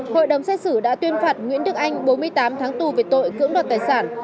hội đồng xét xử đã tuyên phạt nguyễn đức anh bốn mươi tám tháng tù về tội cưỡng đoạt tài sản